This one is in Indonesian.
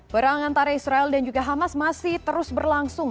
perang antara israel dan juga hamas masih terus berlangsung